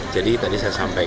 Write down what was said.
jadi tadi saya sampai